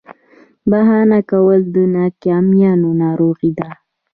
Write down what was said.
بهانه کول د ناکامیانو ناروغي ده.